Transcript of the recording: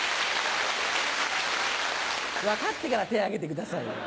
分かってから手を挙げてくださいよ。